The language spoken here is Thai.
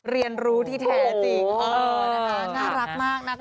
เรียนรู้ที่แท้จริงน่ารักมากนะคะ